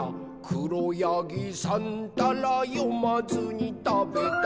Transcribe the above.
「しろやぎさんたらよまずにたべた」